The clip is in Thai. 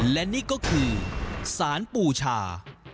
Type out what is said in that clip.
และนี่ก็คือสารปูชา